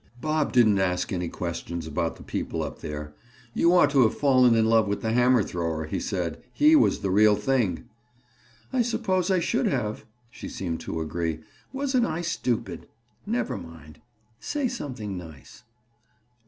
Bob didn't ask any questions about the people up there. "You ought to have fallen in love with the hammer thrower," he said. "He was the real thing." "I suppose I should have," she seemed to agree. "Wasn't I stupid? Never mind. Say something nice."